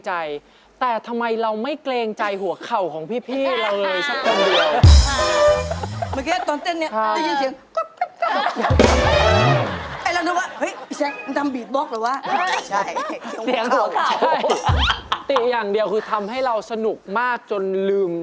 ติวอย่างเดียวคือทำให้เราสนุกมากจนลืม